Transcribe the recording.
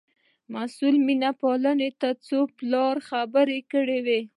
مسئول مینه پال ته څو پلا خبره کړې وه.